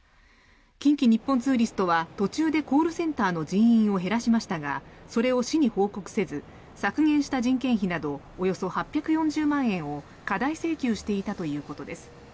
近畿日本ツーリストは途中でコールセンター業務の人員を減らしましたがそれを市に報告せず削減した人件費などおよそ８４０万円を過大請求していたということです。